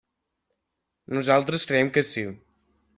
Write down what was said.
Nosaltres creiem que sí.